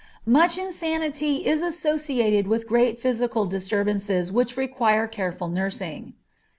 Much insanity is associated with great physical disturbances which require careful nursing.